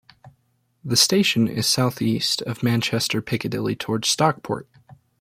The station is south east of Manchester Piccadilly towards Stockport.